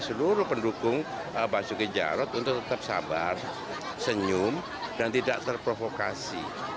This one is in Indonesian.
senyum dan tidak terprovokasi